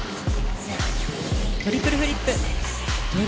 トリプルフリップ。